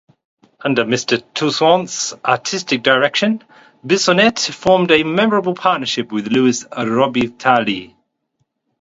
Under Mr. Toussaint's artistic direction, Bissonnette formed a memorable partnership with Louis Robitaille.